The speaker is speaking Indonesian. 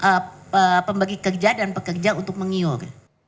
untuk pemberi kerja dan pekerja untuk mengiur